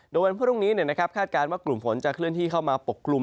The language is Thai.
โดยวันพรุ่งนี้คาดการณ์ว่ากลุ่มฝนจะเคลื่อนที่เข้ามาปกกลุ่ม